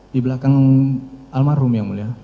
di belakang almarhum yang mulia